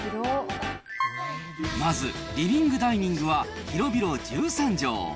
まず、リビングダイニングは広々１３畳。